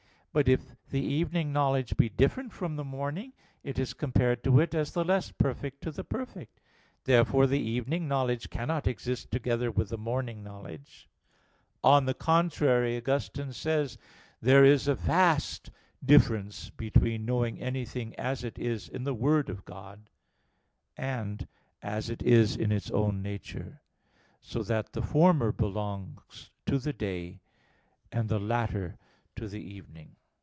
But, if the evening knowledge be different from the morning, it is compared to it as the less perfect to the perfect. Therefore the evening knowledge cannot exist together with the morning knowledge. On the contrary, Augustine says (Gen. ad lit. iv, 24): "There is a vast difference between knowing anything as it is in the Word of God, and as it is in its own nature; so that the former belongs to the day, and the latter to the evening."